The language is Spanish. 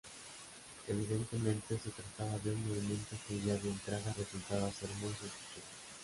Evidentemente, se trataba de un movimiento que ya de entrada resultaba ser muy sospechoso.